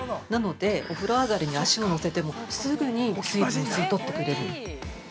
なので、お風呂上がりに足を乗せても、すぐに、水分を吸いとってくれる。